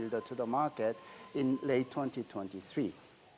indonesia dan pembangunan tubuh di pasar